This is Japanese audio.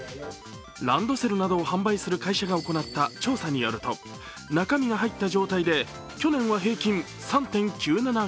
ランドセルなどを販売する会社が行った調査によると中身が入った状態で去年は平均３．９７ｋｇ。